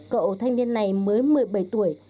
cậu thanh niên này mới một mươi bảy tuổi